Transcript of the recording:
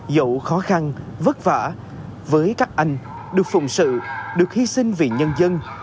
dẫu khó khăn vất vả với các anh được phụng sự được hy sinh vì nhân dân